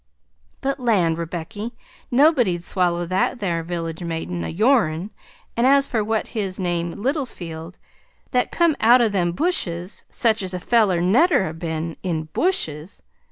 But land, Rebecky, nobody'd swaller that there village maiden o' your'n, and as for what's his name Littlefield, that come out o' them bushes, such a feller never 'd a' be'n IN bushes!